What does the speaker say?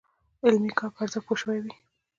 علمي کار په ارزښت پوه شوي وي.